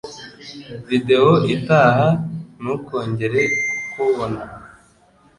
video itaha Ntukongere kukubona